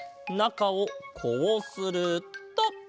なかをこうすると。